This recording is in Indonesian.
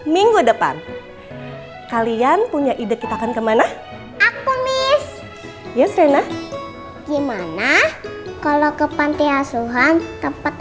minggu depan kalian punya ide kita akan kemana aku nih yosena gimana kalau ke pantai asuhan tempat